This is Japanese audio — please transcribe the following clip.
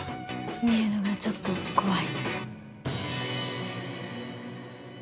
見るのがちょっと怖い。